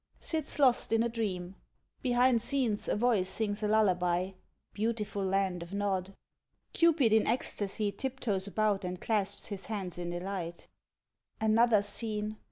[Sits lost in a dream. Behind scenes a voice sings a lullaby, 'Beautiful Land of Nod.' CUPID in ecstasy tiptoes about and clasps his hands in delight.] Another scene!